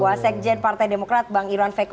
waasekjen partai demokrat bang irwan feko